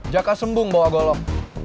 jaka sembung bawa golok